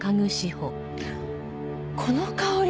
この香り！